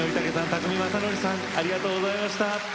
宅見将典さんありがとうございました。